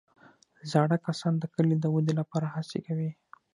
زاړه کسان د کلي د ودې لپاره هڅې کوي